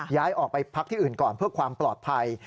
ย้ายออกไปพักที่อื่นก่อนเพื่อความปลอดภัย